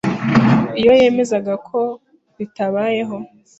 iyo yemezaga ko ritabayeho